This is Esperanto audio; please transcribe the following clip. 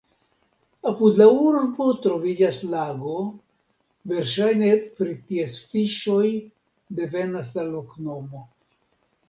Apud la urbo troviĝas lago, verŝajne pri ties fiŝoj devenas la loknomo.